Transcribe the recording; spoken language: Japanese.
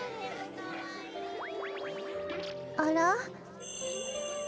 あら？